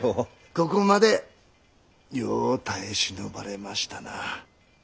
ここまでよう耐え忍ばれましたな。